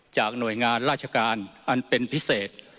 หน่วยงานราชการอันเป็นพิเศษ